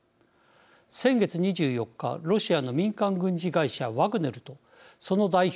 先月２４日ロシアの民間軍事会社ワグネルとその代表